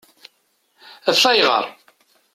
Af ayɣeṛ?